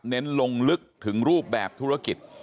ลงลึกถึงรูปแบบธุรกิจ